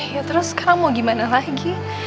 ya terus sekarang mau gimana lagi